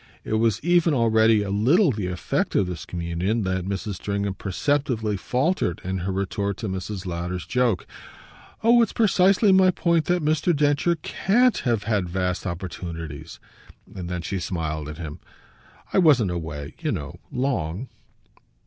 It was even already a little the effect of this communion that Mrs. Stringham perceptibly faltered in her retort to Mrs. Lowder's joke. "Oh it's precisely my point that Mr. Densher CAN'T have had vast opportunities." And then she smiled at him. "I wasn't away, you know, long."